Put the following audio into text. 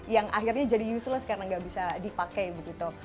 yang akhirnya jadi useless karena nggak bisa dipakai begitu